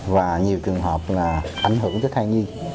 và nhiều trường hợp là ảnh hưởng tới thai nhi